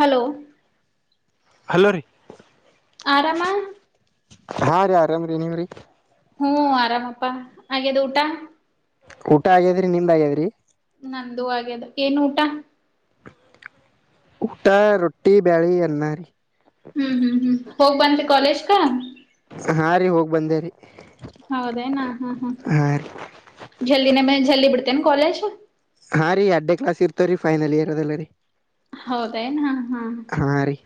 Hello hello ರೀ ಆರಾಮ ಹಾಂ ರೀ ಆರಾಮ ರೀ ನೀವ್ ರೀ ಹೂಂ ಆರಾಮಪ್ಪಾ ಆಗೆದು ಊಟಾ ಊಟ ಆಗ್ಯಾದ್ರಿ ನಿಮ್ ಆಗ್ಯಾದ್ರಿ. ನಂದು ಹಾಗಗದು ಏನ್ ಊಟ ಊಟ ರೊಟ್ಟಿ ಬ್ಯಾಳಿ ಅನ್ನಾರಿ. ಹ್ಮ್ ಹ್ಮ್ ಹ್ಮ್ ಹೋಗ್ ಬಂದಿ ಕಾಲೇಜ್ಕಾ ಹಾ ರೀ ಹೋಗಿ ಬಂದೇರಿ ಹೌದೇನಾ ಹಾ ಹಾ ಜಲ್ದಿನ ಜಲ್ದಿ ಬಿಡ್ತೇನೆ ಕಾಲೇಜ್ ಹಾಂ ರ ಅಡ್ಡ ಕ್ಲಸ್ ಇರ್ತವೆ ರೀ ಫೈನಲ್ ಇಯರ್ ಅಲ್ಲ ರೀ ಹೌದಾಯನ ಹಾ ಹಾ ರೀ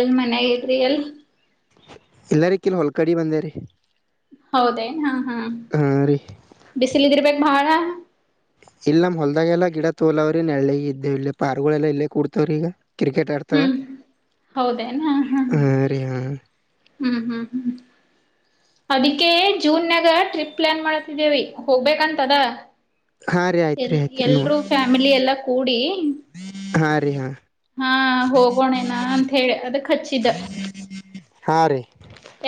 ಎಲ್ ಮನಾಗಿದ್ರಿ ಎಲ್ ಎಲ್ಲರಿ ಕಿಲ್ ಹೊಲ್ ಕಡಿ ಬಂದೇರಿೀ ಹೌದೇನ್ ಹಾ ಹಾ ರೀ ಬಿಸಿಲಿದ್ದಿರ್ಬೇಕು ಬಹಳ ಇಲ್ಲ್ ನಮ್ ಹೊಲದಾಗೆಲ್ಲ ಗಿಡ ತೋಲಾವ್ರಿ ನಳ್ಳಿ ಇದ್ದ ಇಲ್ಲಿ ಪಾರ್ವಾಳಗಳೆಲ್ಲ ಇಲ್ಲೇ ಕೂರ್ತವ್ರಿ ಈಗ ಕ್ರಿಕೆಟ್ ತಡ್ತವೆ ಹ್ಮ್ ಹಾ ರಿ ಹಾ ಹ್ಮ್ ಹ್ಮ್ ಹ್ಮ್ ಅದಿಕ್ಕೇ ಜೂನ್ ನ್ಯಾಗ ಟ್ರಿಪ್ ಪ್ಲಾನ್ ಮಾಡತಿದ್ದೇವಿ ಹೋಗ್ಬೇಕಂತದ ಹಾ ರೀ ಆಯ್ತ್ರಿ ಎಲ್ ಆಯ್ತ್ರಿ ನೋಡ್ ಎಲ್ರುೂ ಫ್ಯಾಮಿಲಿ ಎಲ್ಲಾ ಕೂಡಿ ಹಾ ರೀ ಹಾ. ಹಾ ಹೋಗೋಣೇನಾ ಅಂತ ಹೇಳಿ ಅದಕ್ ಹಚ್ಚಿದ್ದ. ಹಾ ರೀ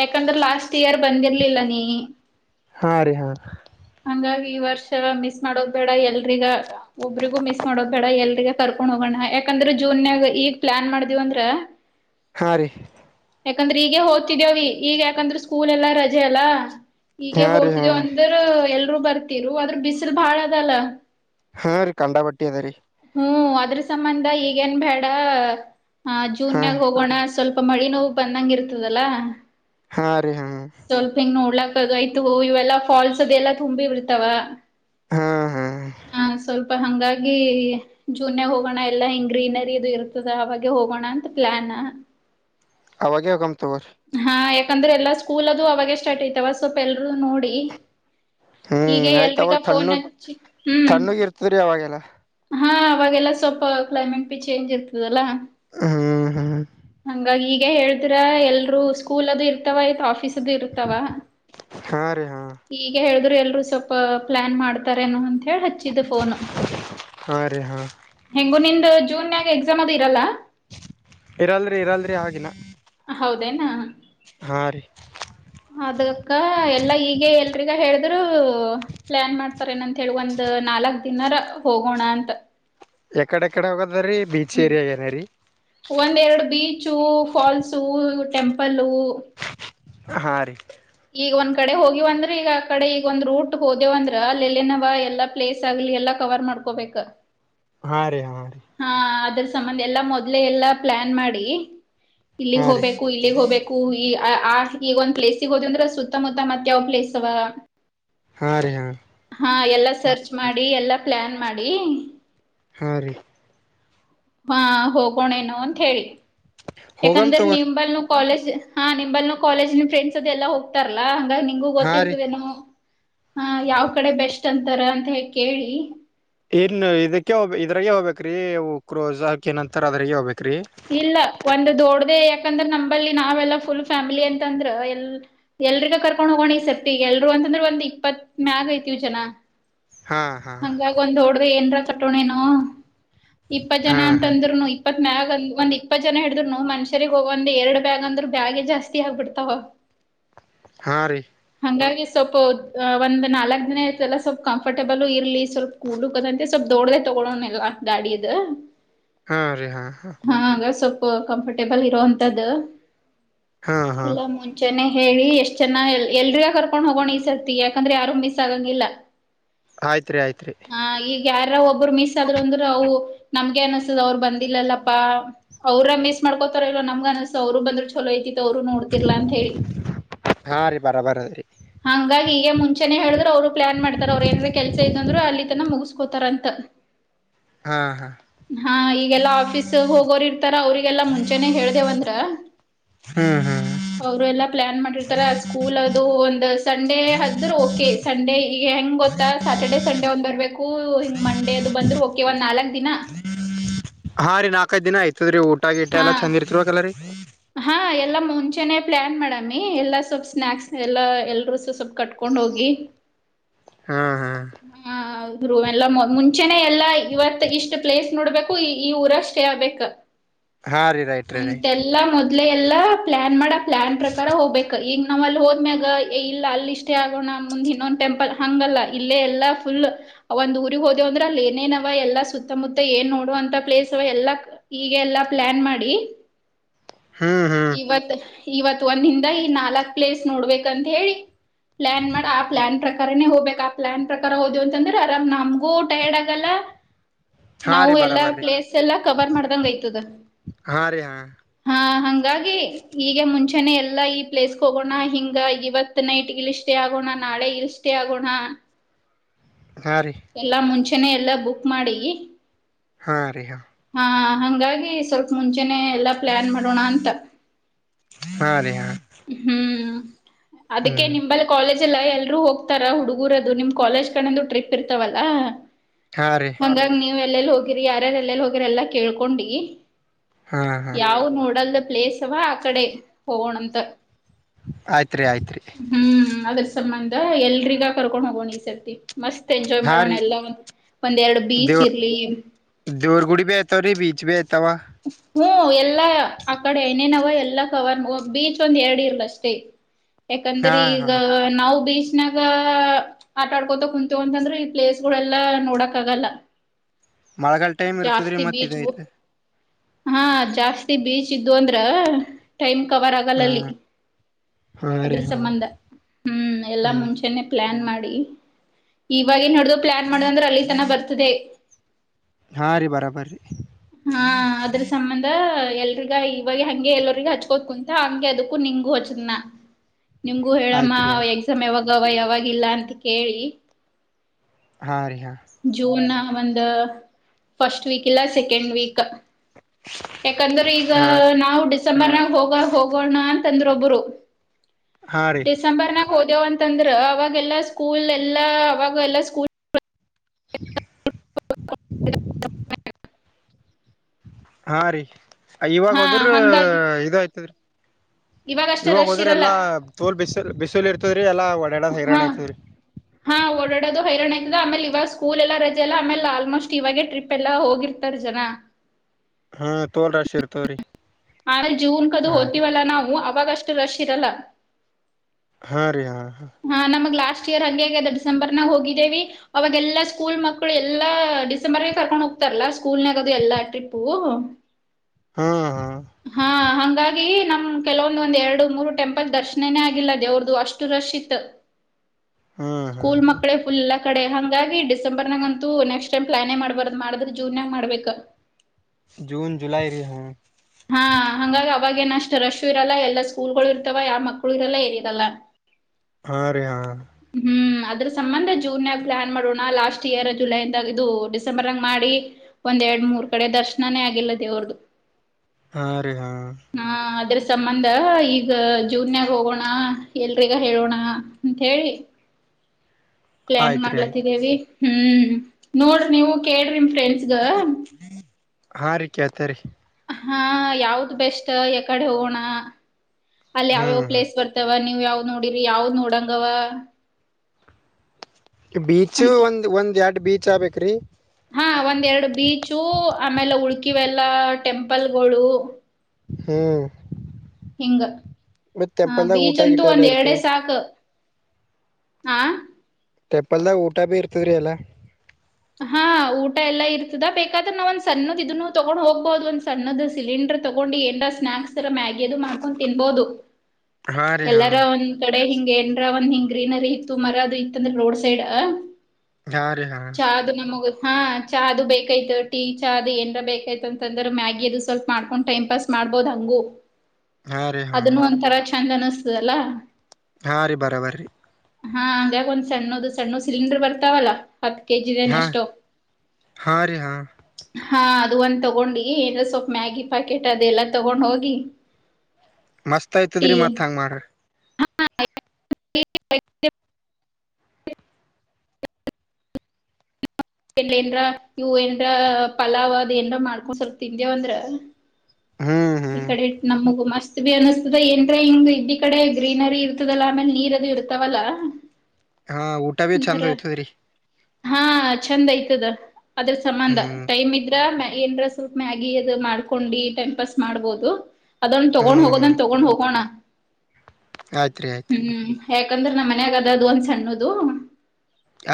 ಯಾಕಂದ್ರ ಲಾಸ್ಟ್ ಇಯರ್ ಬಂದಿರ್ಲಿಲ್ಲ ನೀ ಹಾ ರೀ ಹಾ ರ ಹಂಗಾಗಿ ಈ ವರ್ಷ ಮಿಸ್ ಮಾಡೋದ್ ಬೇಡ ಎಲ್ರಿಗ ಒಬ್ರಿಗೂ ಮಿಸ್ ಮಾಡೋದ ಬೇಡ ಎಲ್ರಿಗ ಕರ್ಕೊಂಡ್ ಹೋಗಣ ಯಾಕಂದ್ರೆ ಜೂನ್ಯಾಗ ಈಗ್ ಪ್ಲಾನ್ ಮಾಡ್ದಿವವ ಅಂದ್ರ [unintelligible] ಹಾ ರೀ ಯಾಕಂದ್ರೆ ಈಗಗೆ ಹೋಗ್ತಿದೇವೀ ಈಗ ಯಾಕಂದ್ರ ಸ್ಕೂಲ್ ಎಲ್ಲಾ ರಜೆ ಅಲ್ಲಾ ಈಗಗೆ ಹಾ ರೀ ಹಾ ಹೋಗ್ತಿದೇವ ಅಂದ್ರ ಎಲ್ರುೂ ಬರ್ತಿರು ಆದದ್ರ ಬಿಸಿಲು ಬಾಳ ಅದಲ್ಲ ಹಾ ರೀ ಕಂಡಾ ಬಟ್ಟಿ ಅದ ರೀ ಹ್ಮ್ ಅದ್ರ ಸಂಬಂಧ ಈಗೇನ್ ಬೇಡ ಹ ಹಾ ಜೂನ್ಗ ಹೋಗೋಣ ಸ್ವಲ್ಪ ಮಳೆ ನೋವು ಬಂದಂಗ ಇರ್ತದಲ್ಲಾ ಹಾ ರೀ ಹಾ ಸ್ವಲ್ಪ ಹಿಂಗ್ ನೋಡ್ಲಕ್ ಆಯ್ತು ಇವೆಲ್ಲಾ ಫಾಲ್ಸ್ ಅದೆ ಎಲ್ಲಾ ತುಂಬಿ ಇರ್ತಾವ ಹಾ ಹಾ ಹಾ ಸ್ವಲ್ಪ ಹಂಗಾಗಿ ಜೂನ್ಹೋಗೋಣ ಎಲ್ಲಾ ಹಿಂಗ್ ಗ್ರೀನರಿ ಇದು ಇರ್ತದೆ ಆಾಗೆ ಹೋಗೋಣ ಅಂತ ಪ್ಲಾನ್ ಅವವಾಗೇ ಒಕ ತವರ್ ಹಾ ಯಾಕಂದ್ರೆ ಎಲ್ಲಾ ಸ್ಕೂಲ್ ಅದು ಅವಾಗೆ ಸ್ಟಾರ್ಟ್ ಐತವ ಸ್ವಲ್ಪ ಎಲ್ರು ನೋಡಿ ಈಗ ಹ್ಮ್ ಆಯ್ತ್ ಎಲ್ರಿಗ ಅವಾಗ ಫೋನ್ ತಣ್ಣುಗ್ ಹಿ ಹ್ಮ್ ತಣ್ಣುಗ್ ಇರ್ತದ್ರಿ ಅವಾಗೆಲ್ಲ ಹಾ ಅವಾಗೆಲ್ಲ ಸ್ವಲ್ಪ ಕ್ಲಮೇಟ್ ಬಿ ಚೇಂಜ್ ಇರ್ತದಲ್ಲಾ ಹ್ಮ್ ಹ್ಮ್ ಹಂಗಾಗಿ ಈಗ ಹೇತರ ಎಲ್ರು ಸ್ಕೂಲ್ ಅದು ಇರ್ತವ ಆಯ್ತಾ ಆಫೀಸ್ ರುತ್ತವಾ ಹಾ ರೀ ಹಾ ಈಗ ಹೇಳಿದ್ರು ಎಲ್ರು ಸ್ವಲ್ಪ ಪ್ಲಾನ್ ಮಾಡತಾರೇನೋ ಅಂತ ಹೇಳಿ ಹತ್ತ ಫೋನ್ ಹಾ ರೀ ಹಾ ಹೆಂಗು ನಿಂದು ಜೂನ್ಯಾಗ ಎಕ್ಸಾಮ್ ಅದು ಇರಲ್ಲ ಇರಲ್ರಿ ಇರಲ್ರಿ ಆನ ಹೌದೇನಾ ಹಾ ರೀ ಅದಕ್ಕ ಎಲ್ಲಾ ಈಗ ಎಲ್ರಿಗ ಹೇಳಿದ್ರು ಪ್ಲಾನ್ ಮಾಡ್ತಾರ ಏನಂತ ಹೇಳಿ ಒಂದ್ ನಾಲ್ಕ್ ದಿನರ ಹೋಗೋಣ ಅಂತ ಎಕಡೆ ಎಕಡೆಗದ ರೀ ಬೀಚ್ ರಿಯ ಏನ ರೀ ಒಂದ್ರಡು ಬೀಚು ಫಾಲ್ಸು ಟೆಂಪಲ್ಲ ಹಾ ರೀ ಈಗ ಒಂದ್ ಕಡೆ ಹೋಗಿವವಂದ್ರೆ ಈಗ ಆ ಕಡೆ ಈಗ ಒಂದ್ ರೂಟ್ ಹೋದೇವಂದ್ರೆ ಲೆಲ್ಲಿಲೆನವ ಎಲ್ಲಾ ಪ್ಲೇಸ್ ಆಗ್ಲಿ ಎಲ್ಲಾ ಕವರ್ ಮಾಡ್ಕೋಬೇಕ ಹಾರೀ ಹಾ ರೀ ಹಾ ಅದ್ರ ಸಂಬಂಧ ಎಲ್ಲಾ ಮೊದ್ಲೆ ಎಲ್ಲಾ ಪ್ಲಾನ್ ಮಾಡಿ ಇಲ್ಲಿಗ್ ಹಾ ರೀ ಹೋಗಬೇಕು ಗ್ ಹೋಗ್ಬೇಕು ಈ ಅ ಅ ಈಗ ಒಂದ್ ಪ್ಲೇಸ್ ಸಿಗ ಹೋದ ಅಂದ್ರೆ ಸುತ್ತಮುತ್ತ ಮತ್ ಯಾವ್ ಪ್ಲೇಸ್ ಅವ ಹಾ ರೀ ಹಾ ಹಾ ಎಲ್ಲಾ ಸರ್ಚ್ ಮಾಡಿ ಎಲ್ಲಾ ಪ್ಲಾನ್ ಮಾಡಿ ಹಾಂ ರೀ ಹಾ ಹೋಗೋಣೇನು ಅಂತ ಹೇಳಿ ಹೋಗಮ್ ಯಾಕಂದ್ರೆ ತಗೋರಿ ನಿಂಬಲ್ ಕಾಲೇಜ್ ಹಾ ನಿಲ್ ಕಾಲೇಜ್ ನಿನ್ ಫ್ರೆಂಡ್ಸ್ ಅದುದೆಲ್ಲ ಹೋಗ್ತಾರಲ್ಲಾ ಹಂಗ ನಿಂಗು ಹಾ ರೀ ಗೊತ್ತಿರ್ತವನೋ ಹ ಯಾವ್ ಕಡೆ ಬೆಸ್ಟ್ ಅಂತಾರ ಅಂತ ಕೇಳಿ ಏನ್ ಇದಕ್ಕೆಹೊಗ್ ಇದ್ರೆಗೆ ಹೋಗಬೇಕು ರೀ ಕ್ರೋಜಾಕ ಏನಂತಾರ ನ ಅದ್ರಾಗ ಹೋಗ್ಬೇಕ ರೀ ಇಲ್ಲ ಒಂದು ದೊಡ್ಡ್ದೆ ಯಾಕಂದ್ರೆ ನಂಬಲ್ಲಿ ನಾವೆಲ್ಲಾ ಫುಲ್ ಫ್ಯಾಮಿಲಿ ಅಂತಂದ್ರ ಎಲ್ಲಾ ಎಲ್ರಿಗೂ ಕರ್ಕೊಂಡ್ ಹೋಗೊಣ ಈ ಸರ್ತಿ ಎಲ್ರು ಅಂತಂದ್ರೆ ಒಂದ್ ಇಪ್ಪತ್ ಮ್ಯಾಗ ಆಯ್ತಿವಿ ಜನ. ಹಾ ಹಾ. ಹಂಗಾಗಿ ಒಂದ್ ಹೋಡ್ದ ಏನ್ರ ಕಟ್ಟೋಣೆನು ಇಪ್ಪತ್ ಹಾ ಜನ ಹಾ ಅಂತಂದ್ರುನು ಇಪ್ಪತ್ ಮ್ಯಾಗ ಅಂದ ಒಂದ್ ಇಪ್ಪತ್ತು ಜನ ಹಿಡಿದ್ರುನು ಮನುಷ್ಯರಿಗೆ ಒಂದ ಎರಡು ಬ್ಯಾಗ್ ಅಂದ್ರು ಬ್ಯಾಗೇ ಜಾಸ್ತಿ ಆಗ್ಬಿಡ್ತಾವ ಹಾ ರೀ. ಹಂಗಾಗಿ ಸ್ವಲ್ಪ ಅ ಒಂದ್ ನಾಲ್ಕ್ ದಿನ ಇರ್ತಿವಲ್ಲ ಸ್ವಲ್ಪ ಕಂಫರ್ಟೆಬಲ್ಲು ಇರ್ಲಿ ಸ್ವಲ್ಪ ಕೂಡ್ಲು ಕದಂತೆ ಸ್ವಲ್ಪ ದೋಡ್ದೆ ತೊಗೋಳನ ಎಲ್ಲ ಗಾಡೀದ ಹಾ ರೀ ಹಾ ಹಾ. ಹಾ ಹಂಗ್ ಸ್ವಲ್ಪ ಕಂಫರ್ಟೆಬಲ್ ಇರೋಂತದ್ದು ಹಾ ಹಾ ಎಲ್ಲ ಮು ಚೆನ್ನಾಗ ಹೇಳಿ ಎಷ್ಟ್ ಜನ ಎಲ್ರಿಗ ಕರ್ಕೊಂಡ್ ಹೋಗೊಣ ಈ ಸರ್ತಿ ಯಾಕಂದ್ರೆ ಯಾರು ಮಿಸ್ ಆಗಂಗಿಲ್ಲ. [inaudible] ಆಯ್ತ್ ರಿ ಆಯ್ತ್ ರಿ. ಹಾ ಈಗ ಯಾರ ಒಬ್ರ ಮಿಸ್ ಆದ್ರು ಅಂದ್ರ ಅವು ನಮ್ಗೆ ಅನ್ಸತದ ಅವ್ರು ಬಂದಿಲ್ಲಲ್ಲಪಾ ಪಾ ಅವ್ರ ಮಿಸ್ ಮಾಡ್ಕೋತಾರ ಇಲ್ಲೋ ನಮ್ಗ ಅನಸ್ತ ಅವ್ರು ಬಂದ್ರು ಚೋ ಚುಲೋ ಐತಿತೊ ಅವರು ನೋಡ್ತಿರ್ಲಾ ಅಂತ ಹೇಳಿ ಹಾ ರೀ ಬರಬರದ್ರಿ [inaudible] ಹಂಗಾಗಿ ಹೀಗೆ ಮುಂಚೆನೆ ಹೇಳಿದ್ರ ಅವ್ರು ಪ್ಲ್ಯಾನ್ ಮಾಡತಾರ ಅವ್ರ ಏನಂದ್ರೆ ಕೆಲ್ಸ ಇತ್ತಂದ್ರು ಅಲ್ಲಿ ತನ ಮುಗಿಸಸ್ಕೋತಾರ ಅಂತ. ಹಾ ಹಾ [inaudible] ಹಾ ಈಗೆಲ್ಲ ಆಫೀಸ್ ಹೋಗೋರ ಇರ್ತಾರ ಅವ್ರಿಗೆಲ್ಲಾ ಮುಂಚೆನೆ ಹೇಳ್ದೇವಂದ್ರ ಹ್ಮ್ ಹ್ಮ್ ಅವ್ರು ಎಲ್ಲಾ ಪ್ಲ್ಯಾನ್ ಮಾಡಿರ್ತಾರ ಸ್ಕೂಲ್ ಅದು ಒಂದ್ ಸಂಡೇ ಅಂದ್ರ ಓಕೆ. ಸಂಡೇ ಈಗ ಹೆಂಗ್ ಗೊತ್ತಾ ಸ್ಯಾಟರ್ಡೆ ಸಂಡೆ ಒಂದ್ ಬರಬೇಕು ಹಿಂಗೆ ಮಂಡೇ ಅದು ಬಂದ್ರ ಓಕೆ ಒಂದು ನಾಲ್ಕು ದಿನ. ಹಾ ರಿ ನಾಲ್ಕೈ ದಿನ ಆಯ್ತದರಿ ಊಟ ಗೀಟ ಎಲ್ಲ ಹಾ. ಚಂದ ಇರ್ತಿವಕಲ್ಲರರಿ. ಹಾ ಎಲ್ಲ ಮುಂಚೆನೇ ಪ್ಲ್ಯಾನ್ ಮಾಡಾಮಿ ಎಲ್ಲ ಸ್ವಲ್ಪ ಸ್ನ್ಯಾಕ್ಸ್ ಎಲ್ಲ ಎಲ್ರೂ ಸ್ವ ಸ್ವಲ್ಪ ಕಟ್ಕೊಂಡು ಹೋಗಿ ಹಾ ಹಾ ಮಿಯಾಂವ್. [unintelligible] ಎಲ್ಲ ಮುಂಚೆನೆ ಎಲ್ಲಾ ಇವತ್ ಇಷ್ಟ್ ಪ್ಲೇಸ್ ನೋಡ್ಬೇಕು ಈ ಊರ ಸ್ಟೇ ಆಗ್ಬೇಕ ಹ [inaudible] ಹಾ ರೀ ರೈಟ್ ರೀ ರೈ ಎಲ್ಲ ಮೊದ್ಲೆ ಎಲ್ಲಾ ಪ್ಲಾನ್ ಮಾಡ ಪ್ಲಾನ್ ಪ್ರಕಾರ ಹೋಗ್ಬೇಕು ಈಗ ನಾವ್ ಅಲ್ಲಿ ಹೋದ್ಮ್ಯಾಗ ಏ ಇಲ್ಲ ಅಲ್ಲಿ ಸ್ಟೇ ಆಗೋಣ ಮುಂದ್ ಇನ್ನೊಂದು ಟೆಂಪಲ್ ಹಂಗಲ್ಲ ಇಲ್ಲೇ ಎಲ್ಲಾ ಫುಲ್ ಒಂದ ಊರಿಗೆ ಹೋದಿವಂದ್ರ ಅಲ್ಲಿ ಏನೇನವ ಎಲ್ಲಾ ಸುತ್ತಮುತ್ತ ಏನ್ ನೋಡುವ ಅಂತ ಪ್ಲೇಸ್ ಅವ ಎಲ್ಲಾ ಹೀಗೆ ಎಲ್ಲಾ ಪ್ಲಾನ್ ಮಾಡಿ ಹ್ಮೂ ಹ್ಮು ಇವತ್ ಇವತ್ ಒಂದಿಂದಾಗ ಈ ನಾಲ್ಕ್ ಪ್ಲೇಸ್ ನೋಡ್ಬೇಕಂತ ಹೇಳಿ ಪ್ಲ್ಯಾನ್ ಮಾಡ ಆ ಪ್ಲ್ಯಾನ್ ಪ್ರಕಾರಾನೇ ಹೋಗ್ಬೇಕ ಆ ಪ್ಲಾನ್ ಪ್ರಕಾರ ಹೋದಿವಿ ಅಂತ ಅಂದ್ರೆ ಆರಾಮ್ ನಮ್ಗೂ ಟೈರ್ಡ್ ಆ ಗಲ್ಲ [unintelligible] ಹಾ ನಾವು ರೀ ಎಲ್ಲಾ ಬರಾಬರ್ರೀ ಪ್ಲೇಸ್ ಎಲ್ಲಾ ಕವರ್ ಮಾಡ್ದಂಗ ಆಯ್ತದ ಹಾ ರೀ ಹಾ ಹಾ ಹಂಗ್ ಹಂಗಾಗಿ ಈಗ ಮುಂಚೆನೆ ಎಲ್ಲಾ ಈ ಪ್ಲೇಸ್ಗೆ ಹೋಗೋಣ ಹಿಂಗ ಇವತ್ ನೈಟ್ ಇಲ್ಲಿ ಸ್ಟೇ ಆಗೋಣ ನಾಳೆ ಇಲ್ಲಿ ಸ್ಟೇ ಆಗೋಣ ಹಾ ರೀ. ಎಲ್ಲ ಮುಂಚೆನೇ ಎಲ್ಲ ಬುಕ್ ಮಾಡೀ ಹಾ ರಿ ಹಾ. ಹಾ ಹಂಗಾಗಿ ಸ್ವಲ್ಪ ಮುಂಚೆನೆ ಎಲ್ಲಾ ಪ್ಲ್ಯಾನ್ ಮಾಡೋಣ ಅಂತ. ಹಾ ರೀ ಹಾ. ಹ್ಮ್ ಅದಕ್ಕೆ ಹ್ಮ್ ನಿಮ್ಮ್ ಕಾಲೇಜ್ ಎಲ್ಲಾ ಯಲ್ರೂ ಹೋಗ್ತಾರ ಹುಡುಗುರದು ನಿಮ್ ಕಾಲೇಜ್ ಕನಂದು ಟ್ರಿಪ್ ಇರ್ತವಲ್ಲಾ. ಹಾ ರೀ ಹಂಗಾಗಿ ನೀವು ಎಲ್ಲೆಲ್ಲಿ ಹೋಗಿರಿ ಯಾರ್ಯಾರು ಎಲ್ಲೆಲ್ಲಿ ಹೋಗಿರರಿ ಎಲ್ಲಾ ಕೇಳ್ಕೊಂಡಿ. ಹಾ ಹಾ ಯಾವ ನೋಡಲ್ಲ ಪ್ಲೇಸ್ವ ಆ ಕಡೆ ಹೋಗೋಣ ಅಂತ. ಆಯ್ತ್ರಿ ಆಯ್ತ್ರಿ ಹ್ಮ್ ಅದ್ರ ಸಂಬಂಧ ಎಲ್ರಿಗ ಕರ್ಕೊಂಡ್ ಹೋಗೋಣಿ ಈ ಸರ್ತಿ. ಮಸ್ತ್ ಎಂಜಾಯ್ ಹಾ ಮಾಡೋಣ ರೀ ಎಲ್ಲರು ಒಂದ್ ಎರಡು ಬೀಚ್ ಇರ್ಲಿ. ದೇವರ್ ಗುಡಿಬಿ ಇರತಾವರಿ ಬೀಚ್ ಬೆ ಇರತಾವ್ ಹ್ಮ್ ಎಲ್ಲಾ ಆ ಕಡೆ ನೇನವ ಎಲ್ಲಾ ಕವರ್ ಬೀಚ್ ಒಂದ್ ಎರಡ್ ಇರ್ಲ ಅಷ್ಟೇ ಹಾ ಯಾಕಂದ್ರೆ ಹಾ ಈಗ.. ನಾವು ಬಿಜ್ನ್ಯಾಗ ಆಟ ಆಡ್ಕೋತ ಕುಂತೇವು ಅಂಥ ಅಂದ್ರ ಈ ಪ್ಲೇಸ್ಗೊಲ್ಲೆಲ ನೋಡಕ್ ಆಗಲ್ಲ. ಅಳಗಾಲ ಟೈಮ್ ಇರ್ತಾಧ್ರಿ ಜಾಸ್ತಿ ಮತ್ ಬೀಚ್ ಇದೇ. ಹಾ ಜಾಸ್ತಿ ಬೀಚ್ ಇದ್ದವ ಅಂದ್ರ ಟೈಮ್ ಕವರ್ ಹಾ ಆಗಲ್ಲಲ್ಲಿ ಹಾ [inaudible] ರೀ ಅದ್ರ ಹಾ ಸಂಬಂಧ ಹ್ಮ ಎಲ್ಲ ಹ್ಮ್ ಮುಂಚೆನೆ ಪ್ಲಾನ್ ಮಾಡಿ [inaudible] ಇವಾಗಿನಾಡ್ಡು ಪ್ಲಾನ್ ಮಾಡ್ದ ಅಂದ್ರೆ ಅಲ್ಲಿ ತನ ಬರ್ತದೆ. ಹಾ ರೀ ಬರಾಬರ ಹಾ ಅದ್ರ ಸಂಬಂಧ ಎಲ್ರಿಗ ಇವಾಗ ಹಂಗೆ ಎಲ್ಲರಿಗ ಹಚ್ಕೋತ್ [unintelligible] ಅದಕ್ಕೆ ನಿಂಗು ಹಚ್ನ. ನಿಮ್ಗೂ ಹೇಳಮ್ಮ ಆಯ್ತ್ರಿ ಆಯ್ತ್ ಎಕ್ಸಾಮ್ ಯಾವಾಗವ ಯಾವಾಗಿಲ್ಲ ಅಂತ ಕೇಳಿ. ಹಾ ರೀ ಹಾ ಸರಿ ಜೂನ್ ಒಂದ [inaudible] ಫಸ್ಟ್ ವೀಕ್ ಇಲ್ಲ ಸೆಕೆಂಡ್ ವೀಕ್. [inaudible] ಯಾಕಂದ್ರೆ ಈಗ ಹಾ ರೀ ನಾವು ಡಿಸೆಂಬರ್ ನಾಗ ಹೋಗ ಹೋಗೋಣ ಅಂಥ ಅಂದ್ರು ಒಬ್ರು ಹಾ ರೀ [inaudible] ಡಿಸೆಂಬರ್ ನಾಗ ಹೋದೆೇವ ಅಂತಂದ್ರ ಅವಾಗೆಲ್ಲಾ ಸ್ಕೂಲ್ ಎಲ್ಲ ಅವಾಗೆಲ್ಲ ಸ್ಕೂಲ್ ಹಾ ರೀ ಇವಾಗ ಹಾ ಹೋದ್ರ ಹಂಗಾಗಿ ಇದ ಆಯ್ತದ್ರಿ [inaudible] ಅಷ್ಟ ಇವಾಗ ರಶ್ ಹೋದ್ರಿ ಇರಲ್ಲ ಎಲ್ಲಾ ತೋಲ್ ಬಿಸಿಲ್ ಬಿಸಿೂಲಿ ಇರ್ತದ್ರಿ ಎಲ್ಲಾ ಒಡಡ ಹೈಗರಾಣ ಹಾ ಆಯ್ತದ್ರೀ. ಹಾ ಓಡೋದು ಹೈರಾಣ ಆದ ಆಮೇಲ ಇವಾಗ ಸ್ಕೂಲ್ಲ್ಲ ರಜೆಲ್ಲ ಆಮೇಲ ಆಲ್ಮೋಸ್ಟ್ ಇವಾಗ ಟ್ರಿಪ್. ಎಲ್ಲಾ ಹೋಗಿರ್ತಾರ ಜನ ಹಾ ತೋಲ್ ರಶ ಇರ್ತವ್ರಿ. ಹಾ ಜೂನ್ ಕದು ಹಾ ರೀ ಹೋಗ್ತಿೀವಲ್ಲಾ ನಾವು ಅವಾಗಷ್ಟು ರಶ್ ಇರಲ್ಲ ಹಾ ರೀ ಹಾ ಹಾ ನಮಗ್ ಲಾಸ್ಟ್ ಇಯರ್ ಹಹಂಗ ಆಗಿದೆ ಡಿಸೆಂಬರ್ನಾಗ ಹೋಗಿದ್ದೇವಿ ಅವಾಗೆಲ್ಲಾ ಸ್ಕೂಲ್ ಮಕ್ಳು ಎಲ್ಲಾ ಡಿಸೆಂಬರ್ ಗೆ ಕರ್ಕೊಂಡ್ ಹೋಗ್ತಾರಲ್ಲಾ ಸ್ಕೂಲ್ನಗದು ಎಲ್ಲಾ ಟ್ರಿಪ್ಪು. [inaudible] ಹಾ ಹಾ ಹಾ ಹಂಗ ಹಂಗಾಗಿ ನಮ್ ಕೆಲವೊಂದ ಒಂದ್ ಎರಡು ಮೂರು ಟೆಂಪಲ್ ದರ್ಶನನೇ ಆಗಿಲ್ಲ ದೇವ್ರ್ದು ಅಷ್ಟು ರಶ್ ಇತ್ತು. [inaudible] ಹಾ ಹಾ ಸ್ಕೂಲ್ ಮಕ್ಕಳೆ ಇಲ್ಲ ಕಡೆ ಹಂಗಾಗಿ ಡಿಸೆಂಬರ್ನಾಗಂತ ನೆಕ್ಸ್ಟ್ ಟೈಮ್ ಪ್ಲಾನೇ ಮಾಡ್ಬಾರ್ದು ಮಾಡಿದ್ರೆ ಜೂನ್ದಾಗ ಮಾಡ್ಬೇಕ. ಜೂನ್ ಜುಲೈ ರೀ ಹಾ ಹಾ ಹಂಗಾಗಿ ಅವಾಗ ಏನ ಅಷ್ಟು ರಶು ಇರಲ್ಲ ಎಲ್ಲಾ ಸ್ಕೂಲ್ಗಳು ಇರ್ತವ ಯಾವ ಮಕ್ಳು ಇರಲ್ಲ ಏನಿರಲ್ಲಾ. [inaudible] ಹಾ ರಿ ಹಾ ಹ್ಮ್ ಅದ್ರ ಸಂಬಂಧ ಜೂನ್ಾಗ ಪ್ಲಾನ್ ಮಾಡೋಣ ಲಾಸ್ಟ್ ಇಯರ್ ಜುಲೈಂದಾಗ ಇದು ಡಿಸೆಂಬರ್ಗ ಮಾಡಿ ಒಂದ್ ಎರಡ್ ಮೂರ್ ಕಡೆ ದರ್ಶನೇ ಆಗಿಲ್ಲ ದೇವ್ರ್ ಹಾ ರೀ ಹಾ ಹ ಅದ್ರ ಸಂಬಂಧ ಈಗ ಜೂನ್ಯಾಗ ಹೋಗೋಣ ಎಲ್ರಿಗ ಹೇಳೋಣ ಹೇಳಿ ಪ್ಲಾನ್ ಆಯ್ತ್ ರೀ ಆಯ್ತ್ ಮಾಡ್ಲತ್ತಿದ್ದೇವಿ ಹ್ಮ್ ನೋಡ್ರಿ ನೀವು ಕೇಳ್ರಿ ಫ್ರೆಂಡ್ಸ್ ಹಾ ರೀ ಕೇಳ್ತ ರೀ ಹಾ ಯಾವ್ದ ಬೆಸ್ಟ್ ಎ ಕಡೆ ಹೋಣ ಅಲ್ಲಿ ಹ್ಮ್ ಯಾವ್ಯಾವ್ ಹ್ಮ್ ಪ್ಲೇಸ್ ಬರ್ತವ ನೀವ್ ಯಾವ್ದ್ ನೋಡರಿ ಯಾವ್ದ್ ನೋಡಂಗವ ಬೀಚ ಅಂತೆ ಒಂದ್ ಒಂದ್ ಎರಡ್ ಬೀಚ್ ಆಗ್ಬೇಕ್ರಿ ಹಾ ಒಂದ್ ಎರಡು ಬೀಚು ಆಮೇಲೆ ಹುಡುಕಿವೆಲ್ಲ ಟೆಂಪಲ್ಗಳು ಹ್ಮ್ ಹಿಂಗ ಮತ್ ಹ ಟೆಂಪಲ್ದಾಗ ಬೀಚ್ ಊಟ ಅಂತೂ ಗಿಟ ಎಲ್ಲಾ ಒಂದ್ ಎರಡೆ ಇರ್ತದೆ ಸಾಕ್ ಆ ತೆಪ್ಪಲ್ದಾಗ ಊಟ ಬಿ ಇರ್ತದರಿ ಅಲ್ಲಾ ಹಾ ಊಟ ಎಲ್ಲಾ ಇರ್ತದ ಬೇಕಾದ್ರೆ ನಾವ ಒಂದ ಸಣ್ಣದ್ ಇದನ್ನು ತೊಗೊಂಡ್ ಹೋಗ್ಬಹುದು ಒಂದ್ ಸಣ್ಣದ ಸಿಲಿಂಡ್ರ ತಗೊಂಡಿ ಎ ಸ್ನಾಯಕ್ಸ್ ತರ ಮ್ಯ ಅದು ಮಾಡ್ಕೊಂಡ್ ತಿನ್ಬಹದು ಹಾ ರೀ ಹಾ ಎಲ್ಲಾರ ಒಂದ್ ಕಡೆ ಹಿಂಗಗೆ ಏನ್ರ ಒಂದ್ ಹಿಂಗ್ ಗ್ರೀನರಿ ಇತ್ತು ಮರ ಅದು ಇತ್ತಂದ್ರೆ ರೋಡ್ ಸೈಡ್ ಅ ಹಾ ರೀ ಹಾ ರ [unintelligible] ನಮಗ ಹಾ ಚಾ ಅದು ಬೇಕಾಯ್ತು ಟೀ ಚಾ ಅದು ಏನರ ಬೇಕಾಯತ ಅಂತಂದ್ರೆ ಮ್ಯಾಗಿ ಅದು ಸ್ವಲ್ಪ ಮಾಡ್ಕೊಂಡ್ ಟೈಮ್ ಪಾಸ್ ಮಾಡ್ಬಹದು ಹಂಗು ಹಾ ರೀ ಹಾ ಅದನ್ನು ಒಂಥರಾ ಚಂದ ಅನಿಸ್ತದಲ್ಲ ಹಾಂ ರೀ ಬರೋ ಬರ್ರರಿ ಹಾ ಹಾಗಾಗ ಒಂದ್ ಸಣ್ಣದದು ಸಣ್ಣ ಸಿಲಿಂಡರ್ ಬರ್ತಾವಲ್ಲತ್ ಕೆ ಜಿದ ಹಾ ನಷ್ಟೋ ಹಾ ರೀ ಹಾ ಹಾ ಅದು ಒಂದ ತಗೊಂಡಿ ಏಂದ ಸ್ವಲ್ಪ್ ಮ್ಯಾಗಿ ಪ್ಯಾಕೆಟ್ ಅದೆಲ್ಲ ತಗೊಂಡ ಹೋಗಿ ಮಸ್ತ್ ಆಯ್ತದ ಟೀ ರೀ ಮತ್ತೆ ಹಂಗೆ ಮಾಡಿರಿ ಎಲ್ಲ ಏನ್ರ ಇವು ಏನರ ಪಲಾವ್ ಅದ ಏನರ ಮಾಡ್ಕೊಂಡ್ ಸ್ವಲ್ಪ ತಿಂದೇವಂದ್ರ ಹ್ಮ್ ಇ ಹ್ಮ್ ಕಡೆ ನಮಮ್ಮಗ ಮಸ್ತ್ ಬಿ ಅನಿಸ್ತದೆ ಎಏನ್ ಹಿಂಗ್ ಇದೀ ಕಡೆ ಗ್ರೀನರಿ ಇರ್ತದಲ್ಲಾ ಆಮೇಲೆ ನೀರ್ ಅದು ಇರ್ತವಲ್ಲ ಹ ಹಾ ಊಟ ಭ ಚಂದ್ ಹಯ್ತದ ರೀ ಹಾ ಚಂದ ಯ್ತದ ಅದ್ರ ಸಂಬಂಧ ಹ್ಮ್ ಟೈಮ್ ಇದ್ರ ಏನ್ರ ಸ್ವಲ್ಪ ಮ್ಯಾಗಿ ಅದು ಮಾಡ್ಕೊಂಡು ಟೈಮ್ ಪಾಸ್ ಮಾಡ್ಬೋದು ಅದನ್ನ ತಗೊಂಡ್ ಹ್ಮ್ ಹ್ಮ್ ಹೋಗೋದನ್ ತಗೊಂಡ್ ಹೋಗೋಣ ಆಯ್ತ್ರಿ ಆಯ್ತ್ರಿ ಹ್ಮ್ ಯಾಕಂದರೆ ನಮ್ಮ ಮನ್ಯಾಗ ಅದ ಅದು ಒಂದ್ ಸಣ್ಣದು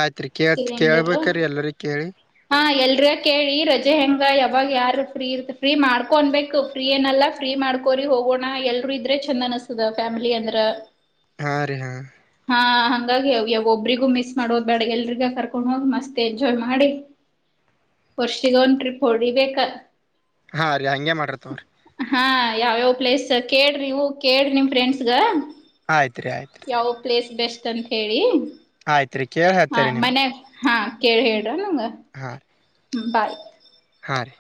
ಆಯ್ತು ರೀ ಕೇ ಸಿಲಿಂಡರ್ ಕೇಳ್ಬೇಕ್ರೀ ಎಲ್ಲರಿ ಕೇಳಿ ಹಾ ಎಲ್ರ ಕೇಳಿ ರಜೆ ಹೆಂಗ ಯಾವಾಗ ಯಾರ ಫ್ರೀ ಇರ್ತ ಫ್ರೀ ಮಾಡ್ಕೊಬೇಕು ಫ್ರೀ ಏನಲ್ಲ ಫ್ರೀ ಮಾಡ್ಕೋರಿ ಹೋಗೋಣ ಎಲ್ರುೂ ಇದ್ರೆ ಚಂದ ಅನಸ್ತದ ಫ್ಯಾಮಿಲಿ ಅಂದ್ರ ಹಾ ರೀ ಹಾ ಹಾ ಹಂಗಾಗಿ ಒಬ್ರಿಗೂ ಮಿಸ್ ಮಾಡೋಧ್ ಬ್ಯಾಡ ಎಲ್ರಿಗ ಕರ್ಕೊಂಡ್ ಹೋಗ್ ಮಸ್ತ್ ಎಂಜಾಯ್ ಮಾಡಿ ವರ್ಷಿಗ ಒನ್ ಟ್ರಿಪ್ ಹೊಡಿಬೇಕ ಹಾಂ ರೀ ಹಂಗೆ ಮಾಡ ರೀ. ತೋರಿ ಹಾ ಯಾವ್ಯಾವ್ ಪ್ಲೇಸ್ ಕೇಳ್ರಿವು ಕೇಳ್ರಿ ನಿಮ್ ಫ್ರೆಂಡ್ಸ್ಗಗ ಆಯ್ತ್ ರೀ ಆಯತು ಯಾವ ಪ್ಲೇಸ್ ಬೆಸ್ಟ್ ಅಂತ ಹೇಳಿ ಆಯ್ತ್ರಿ ಕೇಳಿ ಹ ಹೇಳ್ತೇರಿ ನಿಮ್ಗ್ ಮನ್ಯಾಗ ಹಾ ಕೇಳಿ ಹೇಳ್ರ ನಂಗ ಹಾ ಹ್ಮ ಬಾಯ್ ಹಾಂ ರೀ